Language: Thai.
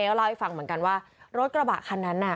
ก็เล่าให้ฟังเหมือนกันว่ารถกระบะคันนั้นน่ะ